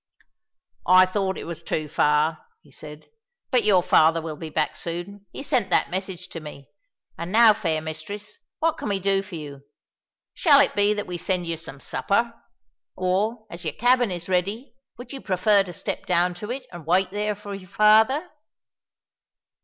"I thought it was too far," he said, "but your father will be back soon; he sent that message to me. And now, fair mistress, what can we do for you? Shall it be that we send you some supper? Or, as your cabin is ready, would you prefer to step down to it and wait there for your father?"